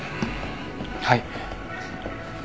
はい。